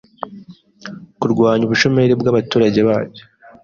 kurwanya ubushomeri bw’abaturage bacyo,